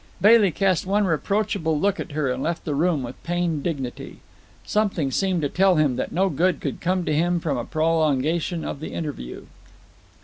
Bailey cast one reproachable look at her and left the room with pained dignity. Something seemed to tell him that no good could come to him from a prolongation of the interview.